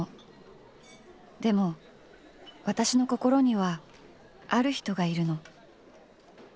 でも私の心にはある人がいるの。